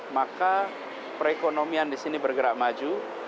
maka perekonomian di sini bergerak maju